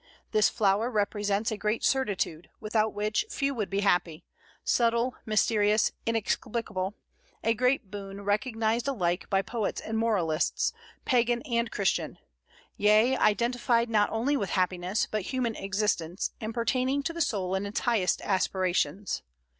This flower represents a great certitude, without which few would be happy, subtile, mysterious, inexplicable, a great boon recognized alike by poets and moralists, Pagan and Christian; yea, identified not only with happiness, but human existence, and pertaining to the soul in its highest aspirations.